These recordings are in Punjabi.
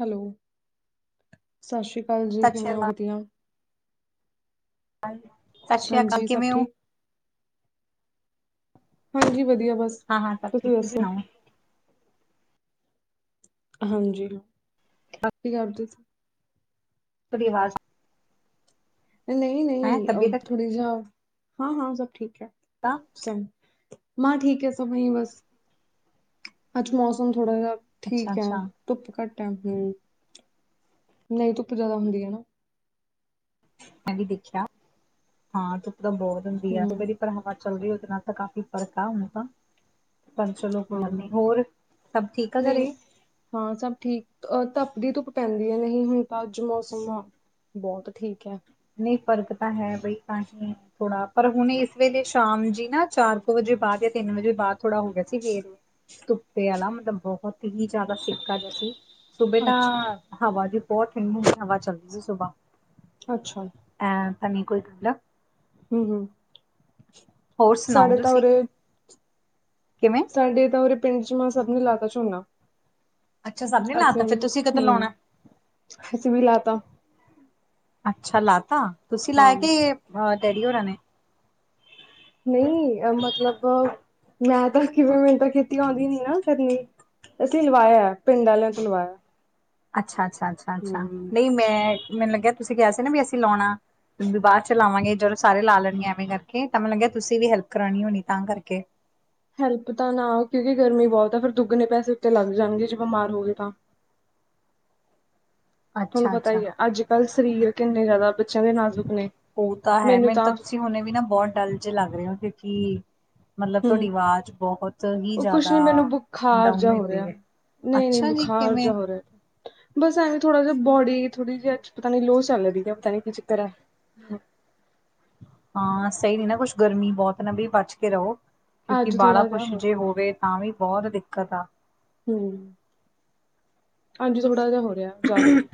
ਹੈਲੋ‌ ਸਤਿ ਸ਼੍ਰੀ ਅਕਾਲ ਜੀ, ਸਤਿ ਸ਼੍ਰੀ ਕਿਵੇਂ ਓ? ਅਕਾਲ ਵਧੀਆ। ਸਤਿ ਸ੍ਰੀ ਅਕਾਲ, ਹਾਂਜੀ ਸਭ ਕਿਵੇਂ ਓ? ਠੀਕ ਹਾਂਜੀ ਵਧੀਆ ਬਸ। ਹਾਂ, ਹਾਂ ਸਭ ਠੀਕ ਤੁਸੀਂ ਸਣਾਓ। ਹਾਂਜੀ, ਕੀ ਕਰਦੇ ਸੀ। [unintelligible] ਨਹੀਂ, ਹੈ ਨਹੀਂ ਤਬੀਅਤ ਥੋੜੀ ਜੇਆ ਹਾਂ, ਹਾਂ ਸਭ ਠੀਕ ਹੈ। ਤਾਂ ਮਾ ਠੀਕ ਹੈ, ਸਭਹੀ ਬਸ ਅੱਜ ਮੌਸਮ ਥੋੜਾ ਜੇਆ ਅੱਛਾ ਠੀਕ ਹੈ, ਅੱਛਾ ਧੁੱਪ ਘੱਟ ਹੈ ਹੂੰ, ਨਹੀਂ ਧੁੱਪ ਜਿਆਦਾ ਹੁੰਦੀ ਹੈ ਨਾ। ਮੈਂ ਵੀ ਦੇਖਿਆ, ਹਾਂ ਧੁੱਪ ਤਾਂ ਬੋਤ ਹੁੰਦੀ ਹੈ, ਹਮ ਸਵੇਰੇ ਪਰ ਹਵਾ ਚੱਲ ਰਹੀ ਹੋ ਇਤਨਾ ਤਾਂ ਕਾਫ਼ੀ ਫਰਕ ਆ ਹੁਣ ਤਾ। ਪਰ ਚਲੋ ਕੋਈ ਹਾਂ ਨਹੀਂ, ਹੋਰ ਸਭ ਠੀਕ ਆ ਨਹੀਂ ਘਰੇ? ਹਾਂ ਸਭ ਠੀਕ, ਅ ਤਪਦੀ ਧੁੱਪ ਪੈਂਦੀ ਹੈ ਨਹੀਂ ਹੁਣ ਤਾਂ ਅੱਜ ਮੌਸਮ ਬੋਤ ਠੀਕ ਹੈ ਨਹੀਂ ਫਰਕ ਤਾਂ ਹੈ ਬਈ ਤਾਂ ਹੀ। ਥੋੜਾ ਪਰ ਹੁਣ ਇਸ ਵੇਲੇ ਸ਼ਾਮ ਜੀ ਨਾ ਚਾਰ ਕੁ ਵਜੇ ਬਾਅਦ ਜਾਂ ਤਿੰਨ ਵਜੇ ਬਾਅਦ ਥੋੜਾ ਹੋ ਗਿਆ ਸੀ ਫਿਰ ਧੁੱਪੇ ਵਾਲਾ ਮਤਲਬ ਬੋਤ ਹੀ ਜ਼ਿਆਦਾ ਸੇਕਾ ਜਿਹਾ ਸੀ ਸੁਬੇ ਤਾਂ ਅੱਛਾ ਹਵਾ ਜੀ ਬੋਤ ਠੰਡੀ ਠੰਡੀ ਹਵਾ ਚੱਲਦੀ ਸੀ ਸੁਬਾਹ ਅੱਛਾ ਅ ਤਾ ਨੀ ਕੋਈ ਗ ਲ ਹੂੰ-ਹੂੰ, ਹੋਰ ਸੁਣਾਓ ਤੁਸੀਂ ਉਰੇ ਕਿਵੇਂ ਸਾਡੇ ਤਾਂ ਉਰੇ ਪਿੰਡ ਚ ਮੈਂ ਸਭਨੇ ਲਾ ਤਾ ਝੋਨਾ ਅੱਛਾ ਸਭ ਨੇ ਲਾਤਾ ਅਸੀਂ ਵੀ ਫਿਰ ਤੁਸੀਂ ਕਦੋਂ ਹੂੰ ਲਾਉਣਾ? ਅਸੀਂ ਵੀ ਲਾ ਤਾ, ਅੱਛਾ ਲਾ ਤਾ ਤੁਸੀਂ ਹਾਂ ਲਾਇਆ ਕੇ ਡੈਡੀ ਹੋਰਾਂ ਨੇ ਨਹੀਂ ਮਤਲਬ ਮੈਂ ਤਾਂ ਕਿਵੇਂ ਮੈਨ ਤਾਂ ਖੇਤੀ ਆਉਂਦੀ ਨੀ ਨਾ ਕਰਨੀ ਅਸੀਂ ਲਵਾਇਆ ਪਿੰਡ ਵਾਲਿਆਂ ਤੋਂ ਲਵਾਇਆ ਅੱਛਾ ਅੱਛਾ ਅੱਛਾ ਅੱਛਾ ਹੂੰ ਨਹੀਂ ਮੈਂ ਮੈਨੂੰ ਲੱਗਿਆ ਤੁਸੀਂ ਕਿਹਾ ਸੀ ਨਾ ਵੀ ਅਸੀਂ ਲਾਉਣਾ ਵ ਚ ਲ ਮਗੇ ਜ, ਸਾਰੇ ਲਾ ਲੈਣੀਆਂ ਐਵੇਂ ਕਰਕੇ ਤਾਂ ਮੈਨੂੰ ਲੱਗਿਆ ਤੁਸੀਂ ਵੀ ਹੈਲਪ ਕਰਾਣੀ ਹੋਣੀ ਤਾਂ ਕਰਕੇ ਹੈਲਪ ਤਾਂ ਨਾ ਕਿਉਂਕਿ ਗਰਮੀ ਬੋਤ ਆ ਫਿਰ ਦੁੱਗਣੇ ਪੈਸੇ ਉੱਤੇ ਲੱਗ ਜਾਣਗੇ ਜੇ ਬਿਮਾਰ ਹੋ ਗਏ ਤਾਂ [unintelligible] ਤੁਹਾਨੂੰ ਅੱਛਾ, ਪਤਾ ਅੱਛਾ ਹੀ ਹੈ ਅੱਜ ਕੱਲ੍ਹ ਸਰੀਰ ਕਿੰਨੇ ਜ਼ਿਆਦਾ ਅਛਾ ਦੇ ਨਾਜ਼ੁਕ ਨੇ ਉਹ ਤਾਂ ਹੈ ਮੈਨੂੰ ਤਾਂ, ਤੁਸੀਂ ਹੁਣੇ ਵੀ ਨਾ ਬੋਤ ਡਲ ਜੇ ਲੱਗ ਰਹੇ ਹੋ ਕਿਉਂਕਿ, ਮਤਲਬ ਹੂੰ ਤੁਹਾਡੀ ਆਵਾਜ਼ ਬੋਤ ਹੀ ਉਹ ਕੁਛ ਜ਼ਿਆਦਾ ਨੀ ਮੈਨੂੰ ਬੁਖਾਰ ਡਾਊਨ ਜਾ ਹੋਈ ਹੋ ਪਈ ਰਿਹਾ ਹੈ ਨਹੀਂ ਨਹੀਂ ਅੱਛਾ ਜੀ ਬੁਖਾਰ ਕਿਵੇਂ, ਜਾ ਹੋ ਰਿਹਾ ਬਸ ਐਵੇਂ ਥੋੜਾ ਜਿਹਾ ਬੋਡੀ ਥੋ, ੜੀ ਜਿਹੀ ਅਜ ਪਤਾ ਨੀ ਲੋ ਚਲਰੀ ਹੈ ਪਤਾ ਨੀ ਕੀ ਚੱਕਰ ਹੈ ਹਾਂ ਸਹੀ ਨ ਨਾ ਕੁਛ ਗਰਮੀ ਬੋਤ ਨਾ ਬਈ ਬਚ ਕੇ ਰਹੋ ਕਿਉਂਕਿ ਅੱਜ ਬਾ ਲਾ ਥੋੜਾ ਜਿਹਾ ਕੁਛ ਹੋ ਜੇ ਗਿਆ ਹੋਵੇ ਤਾਂ ਵੀ ਬੋਤ ਦਿੱਕਤ ਆ, ਹਮ ਹਾਂਜੀ ਥੋੜਾ ਜਿਹਾ ਹੋ ਰਿਹਾ ਜ਼ਿਆਦਾ ਹੀ।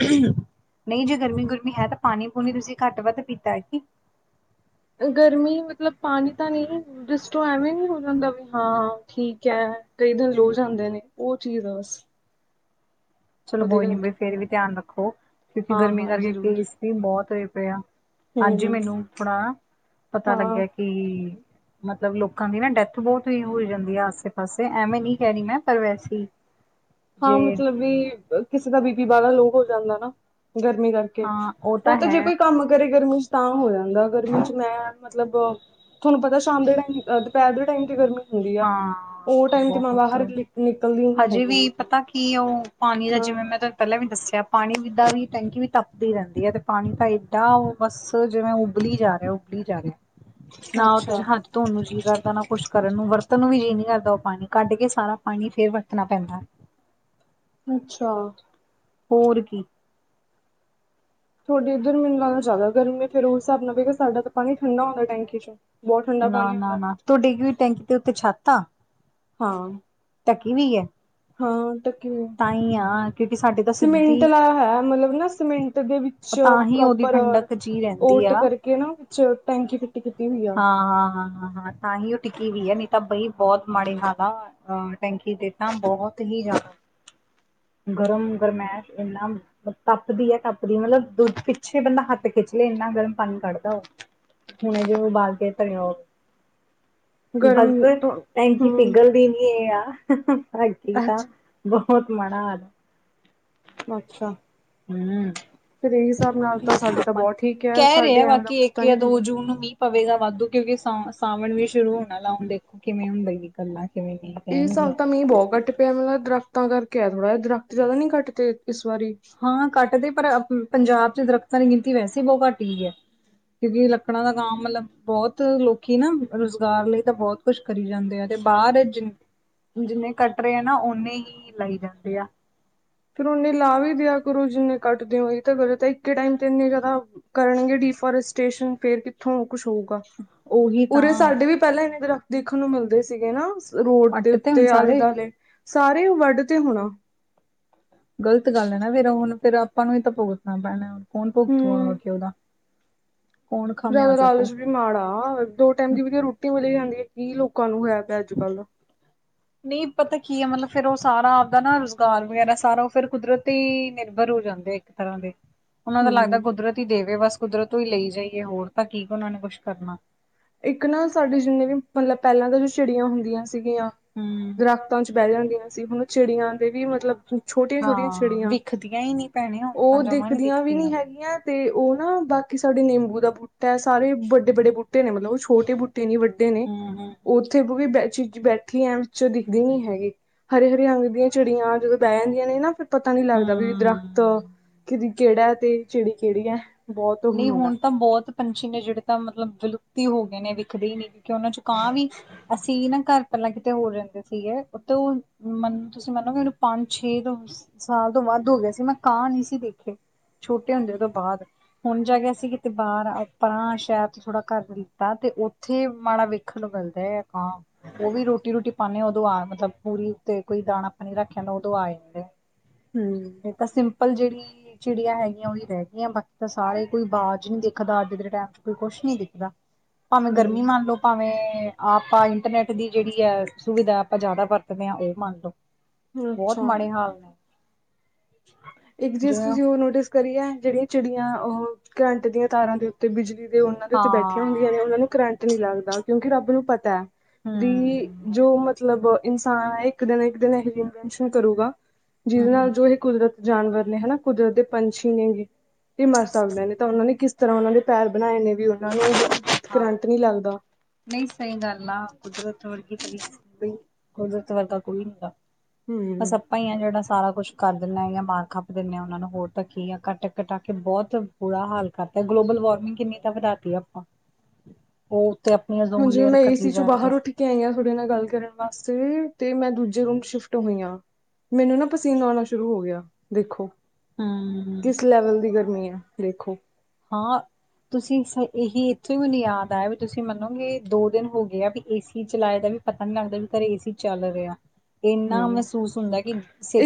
ਨਹੀਂ ਜੇ ਗਰਮੀ ਗੁਰਮੀ ਹੈ ਤਾਂ ਪਾਣੀ ਪੂਣੀ ਤੁਸੀਂ ਘੱਟ ਵੱਧ ਪੀਤਾ ਹੈ ਕੀ ਗਰਮੀ ਮਤਲਬ ਪਾਣੀ ਤਾਂ ਨਹੀਂ ਡਿਸਟੋ ਐਵੇਂ ਨੀ ਹੋ ਜਾਂਦਾ ਵੀ ਹਾਂ ਠੀਕ ਹੈ ਕਈ ਦਿਨ ਲੋ ਜਾਂਦੇ ਨੇ ਉਹ ਚੀਜ਼ ਆ ਬਸ ਚਲੋ ਉਹਦੇ ਕੋਈ ਨੀ ਬਈ ਕਰਕੇ ਫੇਰ ਵੀ ਧਿਆਨ ਰੱਖੋ ਕਿਉਂਕਿ ਹਾਂ ਗਰਮੀ ਹਾਂ ਕਰਕੇ ਜ਼ਰੂਰ ਕੇਸ [unintelligible] ਬੋਤ ਹੋਏ ਪਏ ਆ ਹਾਂਜੀ ਹੂੰ ਮੈਨੂੰ ਥੋੜਾ ਪਤਾ ਹਾਂ ਲੱਗਿਆ ਕਿ, ਮਤਲਬ ਲੋਕਾਂ ਦੀ ਨਾ ਡੈਥ ਬਹੁਤ ਈ ਹੋ ਜਾਂਦੀ ਆ ਆਸੇ ਪਾਸੇ ਐਵੇਂ ਨੀ ਕਹਿ ਰੀ ਮੈਂ ਪਰ ਵੈਸੇ [inaudible] ਹਾਂ, ਮਤਲਬ ਵੀ ਕਿਸੇ ਦਾ ਬੀ ਪੀ ਵਾਲਾ ਲੋਅ ਹੋ ਜਾਂਦਾ ਨਾ ਗਰਮੀ ਕਰ ਕੇ ਹਾਂ ਉਹ ਓ ਤਾਂ ਹੈ ਜੇ ਕੋਈ ਕੰਮ ਕਰੇ ਗਰਮੀ ਚ, ਤਾਂ ਹੋ ਜਾਂਦਾ ਗਰਮੀ ਚ ਮੈਂ ਮਤਲਬ ਥੋਨੂੰ ਪਤਾ ਸ਼ਾਮ ਦੇ ਟਾਈਮ ਦੁਪਹਿਰ ਦੇ ਟਾਈਮ ਤੇ ਗਰਮੀ ਹੁੰਦੀ ਆ ਹਾਂ ਉਹ ਟਾਈਮ ਤੇ ਮੈਂ ਬਾਹਰ ਬਹੁਤ ਨੀ ਨਿਕ ਨਿਕਲਦੀਓ ਨੀ ਹਜੇ ਵੀ ਹੈਗੀ। ਪਤਾ ਕੀ ਓ ਪਾਣੀ ਦਾ ਹਾਂ ਜਿਵੇਂ, ਮੈਂ ਤੁਹਾਨੂੰ ਪਹਿਲਾਂ ਵੀ ਦੱਸਿਆ ਪਾਣੀ ਜਿੱਦਾਂ ਵੀ ਟੈਂਕੀ ਵੀ ਤੱਪਦੀ ਰਹਿੰਦੀ ਐ ਤੇ ਪਾਣੀ ਤਾਂ ਏਡਾ ਓ ਬਸ ਜਿਵੇਂ ਉਬਲੀ ਜਾ ਰਿਆ ਉਬਲੀ ਜਾ ਰਿਆ। ਨਾ ਓ ਅੱਛਾ ਤੁਸੀਂ ਹੱਥ ਧੋਣ ਨੂੰ ਜੀ ਕਰਦਾ ਨਾ ਕੁਛ ਕਰਨ ਨੂੰ ਵਰਤ ਤਨ ਨੂੰ ਵੀ ਜੀਅ ਨੀ ਕਰਦਾ ਓ ਪਾਣੀ ਕੱਢ ਕੇ ਸਾਰਾ ਪਾਣੀ ਫੇਰ ਵਰਤਣਾ ਪੈਂਦਾ। ਅੱਛਾ, ਹੋਰ ਕੀ। ਥੋਡੇ ਇੱਧਰ ਮੈਨੂੰ ਲੱਗਦਾ ਜ਼ਿਆਦਾ ਗਰਮੀ ਫੇਰ ਉਸ ਹਿਸਾਬ ਨਾਲ ਸਾਡਾ ਤਾਂ ਪਾਣੀ ਠੰਡਾ ਹੁੰਦਾ ਟੈਂਕੀ ਚ। ਨਾ ਨਾ ਨਾ ਤੁਹਾਡੇ ਕੀ ਟੈਂਕੀ ਦੇ ਉੱਤੇ ਛੱਤ ਆ। ਹਾਂ, ਟਕੀ ਪਈ ਐ। ਹਾਂ ਤਾਂ ਕੀ ਕਿਉਂਕਿ ਸਾਡੇ ਤਾਂ ਸੀਮਿੰਟ ਸਿੱਧੀ ਲਾਇਆ ਹੋਇਆ ਮਤਲਬ ਨਾ ਸੀਮਿੰਟ ਦੇ ਵਿੱਚ! ਤਾਂ ਸ਼ੌਪ ਹੀ ਉਹਦੀ ਪ੍ਰੋਪਰ ਠੰਡਕ ਜਿਹੀ ਰਹਿੰਦੀ ਓਟ ਆ ਕਰਕੇ ਨਾ ਵਿੱਚ ਟੈਂਕੀ ਫਿੱਟ ਕੀਤੀ ਹੋਈ ਐ। ਹਾਂ ਹਾਂ, ਹਾਂ ਹਾਂ, ਹਾਂ ਤਾਂ ਹੀ ਉਹ ਟਿਕੀ ਹੋਈ ਆ ਨੀ ਤਾਂ ਬਈ ਬਹੁਤ ਮਾੜੇ ਹਾਲ ਆ। ਹਾਂ, ਟੈਂਕੀ ਤੇ ਤਾਂ ਬਹੁਤ ਹੀ ਜ਼ਿਆਦਾ ਗਰਮ ਗਰਮੈਸ਼ ਇੰਨਾ ਤੱਪਦੀ ਐ ਤੱਪਦੀ ਮਤਲਬ ਦੁੱਧ ਪਿੱਛੇ ਬੰਦਾ ਹੱਥ ਖਿੱਚਲੇ ਇੰਨਾ ਗਰਮ ਪਾਣੀ ਕੱਢਦਾ ਓ। ਹੁਣ ਜਿਵੇਂ ਬਾਲ ਕੇ ਧਰਿਆ ਓ? ਬਸ ਗਰਮ ਫਿਰ ਤੋਂ ਟੈਂਕੀ ਹਮ ਪਿਗਲਦੀ ਨੀ ਏ ਆ! ਸਾਡੀ ਤਾਂ ਅੱਛਾ ਬਹੁਤ ਮਾੜਾ ਹਾਲ। ਅੱਛਾ। ਹੂੰ। ਫਿਰ ਇਹ ਹਿਸਾਬ ਨਾਲ ਤਾਂ ਸਾਡੇ ਤਾਂ ਬਹੁਤ ਠੀਕ ਹੈ ਕਹਿ ਰੇ ਸਾਡੇ ਆ ਐਵੇਂ ਦਾ ਬਾਕੀ ਕੁਛ ਇੱਕ ਤਾਂ ਜਾਂ ਨਹੀਂ ਦੋ ਹੁੰਦਾ ਜੂਨ ਨੂੰ ਮੀਂਹ। ਪਵੇਗਾ ਵਾਧੂ ਕਿਉਂਕਿ ਸਾ ਸਾਵਣ ਵੀ ਸ਼ੁਰੂ ਹੋਣ ਆਲਾ ਹੁਣ ਦੇਖੋ ਕਿਵੇਂ ਹੁੰਦਾ ਗੱਲਾਂ ਕਿਵੇਂ ਨੀ। ਏ ਸਾਲ ਤਾਂ ਮੀਂਹ ਬਹੁਤ ਘੱਟ ਪਿਆ, ਮਤਲਬ ਦਰਖ਼ਤਾਂ ਕਰਕੇ ਆ ਥੋੜ੍ਹਾ ਜਾ ਦਰਖਤ ਜ਼ਿਆਦਾ ਨੀ ਕੱਟ ਤੇ ਇਸ ਵਾਰੀ। ਹਾਂ, ਘੱਟ ਤੇ ਪਰ ਪੰਜਾਬ ਚ ਦਰੱਖਤਾਂ ਦੀ ਗਿਣਤੀ ਵੈਸੇ ਈ ਬਹੁਤ ਘੱਟ ਗਈ ਐ। ਕਿਉਂਕਿ ਲੱਕੜਾਂ ਦਾ ਕੰਮ ਮਤਲਬ? ਬਹੁਤ ਲੋਕੀ ਨਾ ਰੁਜ਼ਗਾਰ ਲਈ ਤਾਂ ਬਹੁਤ ਕੁਛ ਕਰੀ ਜਾਂਦੇ ਆ ਤੇ ਬਾਹਰ ਜਿੰਨਾ, ਜਿੰਨੇ ਕੱਟ ਰੇ ਆ ਨਾ ਓਨੇ ਈ ਲਾਈ ਜਾਂਦੇ ਆ। ਫੇਰ ਓਨੇ ਲਾ ਵੀ ਦਿਆ ਕਰੋ ਜਿੰਨੇ ਕੱਟਦੇ ਓ ਏ ਤਾਂ ਫਿਰ ਤਾਂ ਇੱਕੇ ਟਾਈਮ ਤੇ ਇੰਨੇ ਜ਼ਿਆਦਾ। ਕਰਨਗੇ ਡੀਫੋਰਸਟੇਸ਼ਨ ਫੇਰ ਕਿੱਥੋਂ ਓ ਕੁਛ ਹੋਊਗਾ? ਉਹੀ ਉਰੇ ਤਾਂ ਸਾਡੇ ਵੀ ਪਹਿਲਾਂ ਐਨੇ ਦਰੱਖਤ ਦੇਖਣ ਨੂੰ ਮਿਲਦੇ ਸੀਗੇ ਨਾ। ਰੋਡ ਦੇ ਪੱਟ ਤੇ ਹੁਣ ਉੱਤੇ ਆਲੇ ਸਾਰੇ ਦੁਆਲੇ ਸਾਰੇ ਵੱਢ ਤੇ ਹੋਣਾ। ਗ਼ਲਤ ਗੱਲ ਆ ਨਾ ਫੇਰ ਹੁਣ ਫੇਰ ਆਪਾਂ ਨੂੰ ਈ ਤਾਂ ਭੁਗਤਣਾ ਪੈਣਾ ਕੌਣ ਭੁਗਤੂਗਾ ਹੂੰ ਉਹਦਾ? ਕੌਣ ਜ਼ਿਆਦਾ ਖਾਮਿਆਜ਼ਾ ਭੁਗਤੂ ਲਾਲਚ ਵੀ ਮਾੜਾ, ਦੋ ਟਾਈਮ ਦੀ ਵੀ ਰੋਟੀ ਮਿਲ ਜਾਂਦੀ ਐ ਕੀ ਲੋਕਾਂ ਨੂੰ ਹੋਇਆ ਪਿਆ ਅੱਜ ਕੱਲ। ਨਹੀਂ ਪਤਾ ਕੀ ਐ, ਮਤਲਬ ਫੇਰ ਓ ਸਾਰਾ ਆਪਦਾ ਨਾ ਰੁਜ਼ਗਾਰ ਵਗੈਰਾ ਸਾਰਾ ਓ ਫਿਰ ਕੁਦਰਤ ਤੇ ਨਿਰਭਰ ਹੋ ਜਾਂਦੇ ਐ। ਤਰ੍ਹਾਂ ਦੇ। ਉਹਨਾਂ ਦਾ ਲੱਗਦਾ ਹੂੰ ਕੁਦਰਤ ਹੀ ਦੇਵੇ ਬਸ ਕੁਦਰਤ ਤੋਂ ਈ ਲਈ ਜਾਈਏ ਹੋਰ ਤਾਂ ਕੀ ਉਹਨਾਂ ਨੇ ਕੁੱਛ ਕਰਨਾ। ਇੱਕ ਨਾ ਸਾਡੇ ਜਿੰਨੇ ਵੀ, ਮਤਲਬ ਪਹਿਲਾਂ ਤਾਂ ਜੋ ਚਿੜੀਆਂ ਹੁੰਦੀਆਂ ਸੀ। ਸੀਗੀਆਂ ਹਮ ਦਰਖਤਾਂ ਚ ਬਹਿ ਜਾਂਦੀਆਂ ਸੀ ਹੁਣ ਚਿੜੀਆਂ ਦੇ ਵੀ ਮਤਲਬ। ਛੋਟੀਆਂ ਛੋਟੀਆਂ ਹਾਂ ਚਿੜੀਆਂ ਵਿਖਦੀਆਂ ਹੀ ਨੀ ਭੈਣੇ ਹੁਣ ਤਾਂ ਉਹ ਜਮਾ ਨੀ ਦਿਖਦੀਆਂ ਵੀ ਨਹੀਂ ਹੈਗੀਆਂ। ਤੇ ਉਹ ਨਾ ਬਾਕੀ ਸਾਡੇ ਨਿੰਬੂ ਦਾ ਬੂਟਾ ਸਾਰੇ ਵੱਡੇ ਵੱਡੇ ਬੂਟੇ। ਨੇ ਮਤਲਬ ਉਹ ਛੋਟੇ ਬੂਟੇ ਨੀ ਵੱਡੇ ਨੇ, ਹਮ ਹਮ ਉਹ ਉੱਥੇ ਵੀ ਬ ਚੀ ਬੈਠੀ ਆ। ਚ ਦਿਖਦੇ ਨੀ ਹੈਗੇ, ਹਰੇ ਹਰੇ ਰੰਗ ਦੀਆਂ ਚਿੜੀਆਂ ਜਦੋਂ ਬੈ ਜਾਂਦੀਆਂ ਨੇ ਨਾ ਫਿਰ। ਪਤਾ ਨੀ ਲੱਗਦਾ ਵੀ ਦਰਖਤ ਹਮ ਕਿ ਕਿਹੜਾ ਹੈ ਤੇ ਚਿੜੀ ਕਿਹੜੀ ਹੈ। ਬਹੁਤ ਨਹੀਂ ਹੁੰਦਾ ਹੁਣ ਤਾਂ ਬਹੁਤ। ਪੰਛੀ ਨੇ ਜਿਹੜੇ ਤਾਂ ਮਤਲਬ ਵਿਲੁਪਤ ਈ ਹੋ ਗਏ ਨੇ ਵਿਖਦੇ ਹੀ ਨਹੀਂ ਕਿਉਂਕਿ ਉਹਨਾਂ ਚ ਕਾਂ ਵੀ। ਅਸੀਂ ਨਾ ਘਰ ਪਹਿਲਾਂ ਕਿਤੇ ਹੋਰ ਰਹਿੰਦੇ ਸੀਗੇ ਉਥੇ ਉਹ ਮਨ ਤੁਸੀਂ ਮੰਨੋਗੇ ਕਿ ਮਨੂੰ ਪੰਜ ਛੇ ਦਵ ਸਾਲ ਤੋਂ ਵੱਧ ਹੋ ਗਿਆ ਸੀ ਮੈਂ ਕਾਂ ਨਹੀਂ ਸੀ ਦੇਖੇ ਛੋਟੇ ਹੁੰਦੇ ਤੋਂ ਬਾਅਦ। ਹੁਣ ਜਾ ਕੇ ਅਸੀ ਕਿਤੇ ਬਾਹਰ ਆਪਣਾ ਸ਼ਹਿਰ ਤੋਂ ਥੋੜਾ ਕਰ ਲਿਤਾ ਤੇ ਉੱਥੇ ਮਾੜਾ ਵੇਖ। ਤੁਹਾਨੂੰ ਪਤਾ ਏ ਕਾਂ। ਉਹ ਵੀ ਰੋਟੀ ਰੂਟੀ ਪਾਉਂਦੇ ਉਦੋਂ ਆ ਮਤਲਬ ਪੂਰੀ ਤੇ ਕੋਈ ਦਾਣਾ ਪਾਣੀ ਰੱਖ ਆਂਦਾ ਉਦੋਂ ਆ ਜਾਂ। ਹਮ। ਤਾਂ ਸਿੰਪਲ ਜਿਹੜੀ ਚਿੜੀਆਂ ਹੈਗੀਆਂ ਉਹੀ ਰਹਿ ਗਈਆਂ ਬਾਕੀ ਤੇ ਤਾਂ ਸਾਰੇ ਕੋਈ ਬਾਜ਼ ਨੀ ਦੇਖਦਾ ਅੱਜ ਦੇ ਟਾਈਮ ਚ ਕੋਈ ਕੁਛ ਨੀ ਦਿਖਦਾ, ਭਾਵੇਂ ਗਰਮੀ ਮੰਨ ਲਓ। ਭਾਵੇਂ ਆਪਾਂ ਇੰਟਰਨੈਟ ਦੀ ਜਿਹੜੀ ਹੈ ਸੁਵਿਧਾ ਆਪਾਂ ਜ਼ਿਆਦਾ ਵਰਤਦੇ ਹਾਂ ਉਹ ਮੰਨ ਲਓ। ਹੂੰ ਬਹੁਤ ਅੱਛਾ ਮਾੜੇ ਹਾਲ ਨੇ। ਇੱਕ ਜੀਜ਼ ਜਿਵੇਂ ਹਾਂ ਤੁਸੀਂ ਉਹ ਨੋਟਿਸ ਕਰੀਏ ਜਿਹੜੀਆਂ ਚਿੜੀਆਂ ਉਹ ਕਰੰਟ ਦੀਆਂ ਤਾਰਾਂ ਦੇ ਉੱਤੇ। ਤੇ ਬਿਜਲੀ ਦੇ ਉਹਨਾਂ ਦੇ ਉੱਤੇ ਬੈਠੀਆਂ ਹੁੰਦੀਆਂ ਨੇ ਉਹਨਾਂ ਨੂੰ ਕਰੰਟ ਨਹੀਂ ਲੱਗਦਾ ਕਿਉਂਕਿ ਰੱਬ ਨੂੰ ਪਤਾ। ਵੀ ਹਮ ਜੋ ਮਤ। ਮਤਲਬ ਇਨਸਾਨ ਹੈ, ਇੱਕ ਦਿਨ- ਇੱਕ ਦਿਨ, ਇਹੋ ਜਿਹੀ ਇਨਵੈਂਸ਼ਨਾਂ ਕਰੂਗਾ ਹਮ ਜਿਹਦੇ ਹਮ ਨਾਲ ਜੋ। ਕੁਦਰਤ ਜਾਨਵਰ ਨੇ ਹਨਾ ਕੁਦਰਤ ਦੇ ਪੰਛੀ ਨੇ ਇਹ ਮਰ ਸਕਦੇ ਨੇ ਤਾਂ ਉਹਨਾਂ ਨੇ ਕਿਸ। ਤਰ੍ਹਾਂ ਉਹਨਾਂ ਨੇ ਪੈਰ ਬਣਾਏ, ਨੇ ਵੀ ਉਹਨਾਂ ਨੂੰ ਹਾਂ ਕਰੰਟ ਨਹੀਂ ਲੱਗਦਾ। ਨਹੀਂ ਸਹੀ ਗੱਲ ਆ ਕੁਦਰਤ ਵਰਗੀ -ਕੁਦਰਤ ਵਰਗਾ ਕੋਈ ਨੀ ਗਾ ਹਮ ਅਛਾ। ਆਂਪਾਂ ਹੋ ਆ ਜਿਹੜਾ ਸਾਰਾ ਕੁਛ ਕਰ ਦਿੰਦੇ ਹ ਜਾਂ ਮਾਰ ਖੱਪ ਦਿੰਦੇ ਹਾਂ, ਉਹਨਾਂ ਨੂੰ ਹੋਰ ਧੱਕੀ ਜਾਂ ਕੱਟ ਕਟਾ ਕੇ ਬਹੁਤ। ਬੁਰਾ ਹਾਲ ਕਰਦਾ ਗਲੋਬਲ ਵਾਰਮਿੰਗ ਕਿੰਨੀ। ਤਾਂ ਵਧਾਤੀ ਆਪਾਂ ਉਹ ਉੱਤੇ ਆਪਣੀ ਓਜ਼ੋਨ ਲੇਅਰ ਘਟੀ ਜਾ ਰਹੀ ਹੈ। ਇੱਥੇ ਆਈ ਹਾਂ ਤੁਹਾਡੇ ਨਾਲ ਗੱਲ ਕਰਨ ਵਾਸਤੇ ਤੇ ਮੈਂ ਦੂਜੇ ਰੂਮ ਚ ਸ਼ਿਫਟ ਹੋਈ ਹਾਂ। ਮੈਨੂੰ ਨਾ ਪਸੀਨਾ ਆਉਣਾ ਸ਼ੁਰੂ ਹੋ ਗਿਆ, ਦੇਖੋ। ਹਮ ਕਿਸ ਲੈਵਲ ਦੀ ਗਰਮੀ ਆ ਦੇਖੋ। ਹਾਂ। ਤੁਸੀਂ ਇਹੀ ਇੱਥੋਂ ਹੀ ਮੈਨੂੰ ਯਾਦ ਆਇਆ ਵੀ ਤੁਸੀਂ ਮੰਨੋਗੇ ਦੋ ਦਿਨ ਹੋ ਗਏ ਆ ਵੀ ਏਸੀ ਚਲਾਏ ਦਾ ਵੀ। ਪਤਾ ਨਹੀਂ ਲੱਗਦਾ ਵੀ ਘਰੇ ਏ ਸੀ ਚੱਲ ਰਿਹਾ। ਇੰਨਾ ਹਮ ਮਹਿਸੂਸ ਹੁੰਦਾ, ਕਿ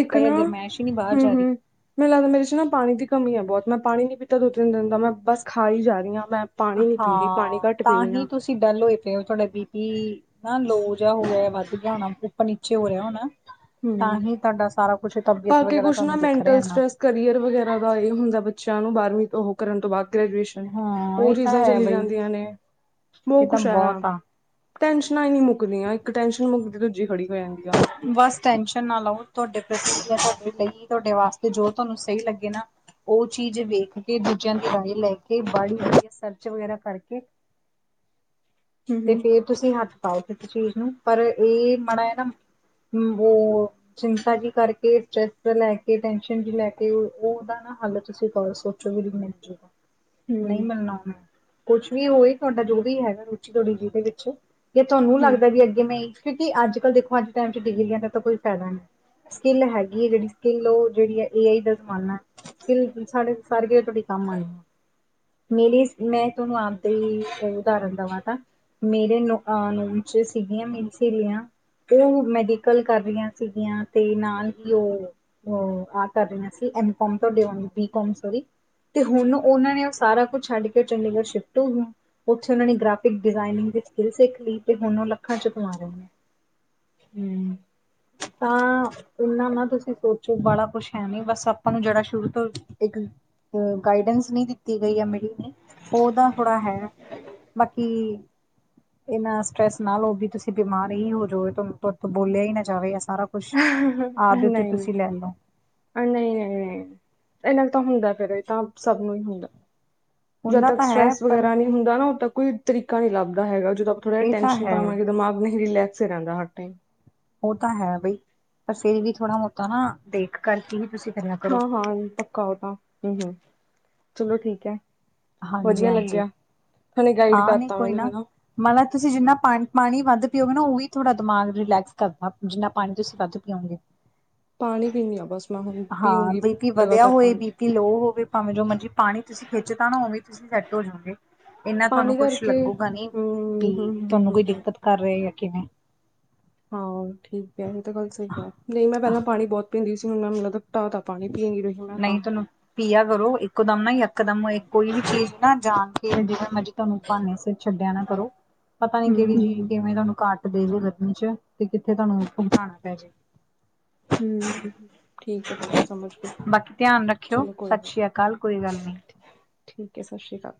ਇੱਕ ਜਾਂ ਨਾ ਗਰਮੈਸ਼ ਹੀ ਨਹੀਂ ਬਾਹਰ ਹਮ ਜਾ ਰਹੀ। ਹਮ ਮੈਨੂੰ ਲੱਗਦਾ ਮੇਰੇ ਚ ਨਾ ਪਾਣੀ ਦੀ ਕਮੀ ਹੈ, ਬਹੁਤ ਮੈਂ ਪਾਣੀ ਨੀ ਪੀਤਾ ਦੋ -ਤਿੰਨ ਦਿਨ ਦਾ ਮੈਂ ਬਸ ਖਾਈ ਜਾ ਰਹੀ ਹਾਂ ਮੈਂ। ਪਾਣੀ ਨੀ ਪੀ ਰਿਰ ਪਾਣੀ ਹਾਂ ਘੱਟ ਪੀ ਤਾਂ ਰੀ ਹੀ ਹਾਂ ਤੁਸੀਂ ਡੱਲ ਹੋਏ ਪਏ ਹੋ ਤੁਹਾਡਾ, ਬੀ ਪੀ ਨਾ ਲੋ ਜਿਹਾ ਹੋ ਗਿਆ ਵੱਧ ਗਿਆ ਹੋਣਾ ਉੱਪਰ ਨੀਚੇ ਹੋ ਰਿਹਾ ਹੋਣਾ। ਹਮ ਹਾਂਜੀ ਤੁਹਾਡਾ ਸਾਰਾ ਕੁਛ ਤਬੀਅਤ ਬਾਕੀ ਵਗ਼ੈਰਾ, ਕੁਛ ਨਾ ਤੁਹਾਨੂੰ ਦਿਖ ਰਿਹਾ ਮੈਂਟਲ ਨਾ। ਸਟਰ੍ਰੈਸ ਕਰੀਅਰ ਵਗੈਰਾ ਦਾ ਇਹ ਹੁੰਦਾ, ਬੱਚਿਆਂ ਨੂੰ ਬਾਰ੍ਹਵੀਂ ਤੋਂ ਉਹ ਕਰਨ ਤੋਂ ਬਾਅਦ। ਗ੍ਰੈਜੂਏਸ਼ਨ ਹਾਂ ਉਹ ਇਹ ਤਾਂ ਚੀਜ਼ਾਂ ਹੈ ਚਲੀ ਬਈ ਜਾਂਦੀਆਂ ਨੇ ਇਹ ਬਹੁਤ ਤਾਂ ਕੁਛ ਹੈ। ਆ ਟੈਂਸ਼ਨਾਂ ਹੀ ਨਹੀਂ ਮੁੱਕਦੀਆਂ, ਇੱਕ ਟੈਸ਼ਨ ਮੁੱਕਦੀ ਦੂਜੀ ਖੜੀ ਹੋ ਜਾਂਦੀ ਆ। ਬਸ ਟੈਨਸ਼ਨ ਨਾ ਲਓ ਤੁਹਾਡੇ, ਪ੍ਰਤੀ ਤੁਹਾ ਲਈ ਤੁਹਾਡੇ ਵਾਸਤੇ ਜੋ ਤੁਹਾਨੂੰ ਸਹੀ ਲੱਗੇ ਨਾ। ਓ ਚੀਜ਼ ਵੇਖ ਕੇ ਦੂਜੇਆਂ ਦੀ ਰਾਏ ਲੈ ਕੇ ਬਾੜੀ [inaudible] ਸਰਚ ਵਗੈਰਾ ਕਰਕੇ। ਤੇ ਹੂੰ। ਫੇਰ ਤੁਸੀ ਹੱਥ ਪਾਓ ਕਿਸੀ ਚੀਜ਼ ਨੂੰ ਪਰ ਏ ਮਾੜਾ ਯਾ ਨਾ ਹੁੰ। ਵੋ ਚਿੰਤਾ ਜੀ ਕਰਕੇ, ਸਟਰ੍ਰੈਸ ਜਾ ਲੈ ਕੇ, ਟੈਸ਼ਨ ਜੀ ਲੈ ਕੇ ਓਦਾ ਨਾ। ਹਾਲੇ ਤੁਸੀ ਘਰ ਸੋਚੋ ਵੀ ਮਿਲ ਜੇਗਾ। ਨਈ ਮਿਲਣਾ ਨ। ਕੁਛ ਵੀ ਹੋਏ, ਤੁਹਾਡਾ ਜੋ ਵੀ ਹੈਗਾ ਰੁਚੀ ਤੁਹਾਡੀ ਜਿਦੇ ਵਿੱਚ। ਜੇ ਤੁਹਾਨੂੰ ਲੱਗਦਾ ਵੀ ਅੱਗੇ ਮੈਂ ਕਿਉਂਕਿ ਅੱਜ ਕੱਲ੍ਹ ਦੇਖੋ ਅੱਜ ਟਾਈਮ ਚ ਡਿਗਰੀਆਂ ਦਾ ਤਾਂ ਕੋਈ ਫੈਦਾ ਨੀ। ਸਕਿੱਲ ਹੈਗੀ ਏ ਜੇੜੀ ਸਕਿੱਲ ਓ ਜੇੜੀ, ਏ ਆਈ ਦਾ ਜ਼ਮਾਨਾ ਐ। ਸਕਿਲ ਸਾਡੇ ਸਾਰੀ ਜਗੇ ਤੁਹਾਡੀ ਕੰਮ ਆਣੀ। ਮੇਰੀ, ਮੈਂ ਤੁਹਾਨੂੰ ਆਪਦੇ ਈ ਉਦਾਹਰਨ ਦਵਾਂ ਤਾ। ਮੇਰੇ ਨੋ ਆ ਨੂਮ ਚ ਸੀਗੀਆਂ ਮੇਰੀ ਸੇਲੀਆਂ। ਓ ਮੈਡੀਕਲ ਕਰ ਰੀਆਂ ਸੀਗੀਆਂ ਤੇ ਨਾਲ ਈ ਓ ਓ ਆ ਕਰ ਰੀਆਂ ਸੀ, ਐਮ ਕੋਮ ਤਾਡੀ ਬੀ ਕੋਮ ਸੋਰੀ। ਤੇ ਹੁਣ ਓਨਾਂ ਨੇ ਓ ਸਾਰਾ ਕੁਛ ਛੱਡ ਕੇ ਚੰਡੀਗੜ੍ਹ ਸ਼ਿਫਟ ਹੋ ਗਿਆਂ। ਓਥੇ ਓਨਾਂ ਨੇ ਗ੍ਰਾਫਿਕ ਡਿਜ਼ਾਇਨਿੰਗ ਦੀ ਸਕਿੱਲ ਸਿੱਖ ਲੀ ਤੇ ਹੁਣ ਓ ਲੱਖਾਂ ਚ ਕਮਾ ਰਈਆਂ। ਹੂੰ। ਹਾਂ। ਇੰਨਾ ਨਾ ਤੁਸੀ ਸੋਚੋ ਬੜਾ ਕੁਛ ਹੈ ਨੀ ਬਸ ਆਪਾਂ ਨੂੰ ਜੇੜਾ ਸ਼ੁਰੂ ਤੋਂ ਇੱਕ ਅ ਗਾਈਡੈਂਸ ਨੀ ਦਿੱਤੀ ਗਈ ਆ [inaudible] ਨੇ ਓਦਾ ਥੋੜਾ ਹੈ। ਬਾਕੀ, ਏਨਾ ਸਟਰੈਸ ਨਾ ਲਓ ਬੀ ਤੁਸੀ ਬਿਮਾਰ ਈ ਹੋ ਜੋ ਏ ਤਨ ਤਾਡੇ ਤੋਂ ਬੋਲਿਆ ਈ ਨਾ ਜਾਵੇ ਐ ਸਾਰਾ ਕੁੱਛ ਆਪ ਦੇ ਉੱਤੇ ਤੁਸੀ ਨਹੀਂ-ਨਹੀਂ, ਲੈ ਲਓ। ਏਰ ਨਾਲ ਤਾਂ ਹੁੰਦਾ ਐ ਫੇਰ ਏ ਤਾਂ ਸਭ ਨੂੰ ਈ ਹੁੰਦਾ, ਜਦ ਹੁੰਦਾ ਤੱਕ ਤਾਂ ਹੈ ਸਟਰੈਸ ਪਰ ਵਗੈਰਾ ਨੀ। ਹੁੰਦਾ ਨਾ ਹੋਰ ਤਾਂ ਕੋਈ ਤਰੀਕਾ ਨੀ ਲੱਭਦਾ ਹੈਗਾ ਜਦੋਂ ਆਪਾਂ ਥੋੜਾ ਜਾ ਇਹ ਤਾਂ ਟੈਂਸ਼ਨ ਹੈ ਪਾਵਾਂਗੇ ਦਿਮਾਗ ਨਹੀਂ ਰਿਲੈਕ ਸ ਰੈਂਦਾ ਹਰ ਟਾਈਮ। ਓ ਤਾਂ ਹੈ ਬਈ। ਪਰ ਫੇਰ ਵੀ ਥੋੜਾ ਮੋਤਾ ਨਾ ਦੇਖ ਕਰਕੇ ਹੀ ਤੁਸੀ। ਹਾਂ ਹਾਂ ਪੱਕਾ ਓ ਤਾਂ। ਹੂੰ ਹੂੰ। ਚਲੋ ਠੀਕ ਐ। ਹਾਂਜੀ ਵਧੀਆ ਹਾਂਜੀ ਲੱਗੇਆ। ਹੁਨੇ ਗਾਈਡ ਕਰਤਾ ਮੈਨੂੰ ਹੈਨਾ। ਮਾਣਾ ਤੁਸੀ ਜਿੰਨਾ ਪਾਣੀ ਪਾਣੀ ਵੱਧ ਪੀਓਗੇ ਨਾ ਓਈ ਤੁਹਾਡਾ ਦਿਮਾਗ ਰਿਲੈਕਸ ਕਰਦਾ ਜਿੰਨਾ ਪਾਣੀ ਤੁਸੀ ਵੱਧ ਪੀਓਂਗੇ। ਪਾਣੀ ਪੀਨੀ ਆਂ ਬਸ ਮੈਂ ਹੁਣ। ਪੀਊਂਗੀ ਲਗਾਤਾਰ ਪਾਣੀ। ਕਿ ਲੋ ਹੋਵੇ ਭਾਵੇਂ ਜੋ ਮਰਜ਼ੀ ਪਾਣੀ ਤੁਸੀ ਖਿੱਚ ਤਾ ਨਾ ਓਵੇਂ ਈ ਤੁਸੀ ਸੈਟ ਹੋ ਜੋਗੇ। ਇਨਾਂ ਤਹਾਨੂੰ ਪਾਣੀ ਕੁਝ ਕਰਕੇ ਲੱਗੂਗਾ ਨੀ ਹਮ ਕਿ ਹਮ ਹਮ ਤੁਹਾਨੂੰ ਹਮ ਕੋਈ ਹਮ ਦਿੱਕਤ ਕਰ ਰੇਆ ਯਾਂ ਕਿਵੇਂ। ਹਾਂ ਠੀਕ ਐ। ਏ ਤਾਂ ਗੱਲ ਸਹੀ ਆ। ਨਈ ਮੈਂ ਪਹਿਲਾਂ ਪਾਣੀ ਬੋਤ ਪਿਂਦੀ ਸੀ ਹੁਣ ਮੈਂ ਮੈਨੂੰ ਲੱਗਦਾ ਤਾ ਤਾ ਪਾਣੀ। ਪੀ ਨੀ ਰਹੀ ਮੈਂ ਤਾਂ। ਨਹੀਂ ਤੁਹਾਨੂੰ ਪੀਆ ਕਰੋ, ਇਕੋ ਦਮ ਨਾ ਯਕਦਮ ਕੋਈ ਵੀ ਚੀਜ ਨਾ ਜਾਣ ਕੇ ਜਿਵੇਂ ਮਜੀ ਤਾਨੂੰ ਬਾਨੇ ਸਿਰ ਛੱਡੇਆ ਨਾ ਕਰੋ। ਪਤਾ ਨੀ ਹਮ ਕੇੜੀ ਹਮ ਚੀ ਕਿਵੇਂ ਤਾਨੂੰ ਕਾਟ ਦੇਵੇ ਰਤਨੀ ਚ, ਤੇ ਕਿਥੇ ਤਾਨੂੰ ਉਮਘਾਣਾ ਪੈ ਜੇ। ਹੂੰ। ਠੀਕ ਐ ਠੀਕ। ਹੈ ਸਮਝ ਗਈ ਬਾਕੀ ਧੇਆਨ ਰੱਖੇਓ। ਚਲੋ ਕੋਈ ਸਤਿ ਨੀ ਸ੍ਰੀ ਅਕਾਲ। ਕੋਈ ਗੱਲ ਨੀ। ਠੀਕ ਐ। ਸਤਿ ਸ਼੍ਰੀ ਕਾਲ।